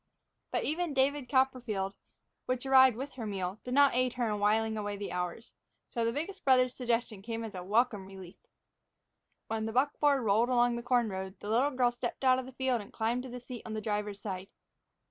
But even "David Copperfield," which arrived with her meal, did not aid her in whiling away the hours. So the biggest brother's suggestion came as a welcome relief. When the buckboard rolled along the corn road, the little girl stepped out of the field and climbed to the seat on the driver's side.